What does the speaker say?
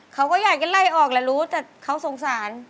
เขาก็อยากจะไล่ออกแหละรู้แต่เขาสงสาร